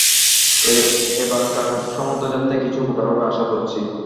এবারকার সমুদ্রযাত্রায় কিছু উপকার হবে, আশা করছি।